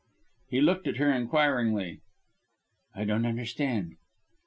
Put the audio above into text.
He looked at her inquiringly. "I don't understand."